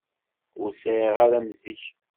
Ur sɛiɣ ara am zik.